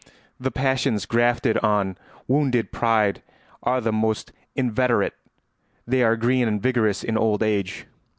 The passions grafted on wounded pride are the most inveterate; they are green and vigorous in old age.